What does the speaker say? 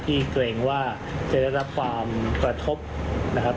ที่ตัวเองว่าจะได้รับความประทบนะครับ